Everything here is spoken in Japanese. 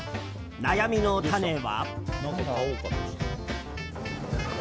悩みの種は。